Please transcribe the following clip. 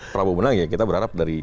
prabowo menang ya kita berharap dari